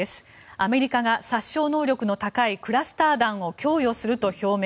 アメリカが殺傷能力の高いクラスター弾を供与すると表明。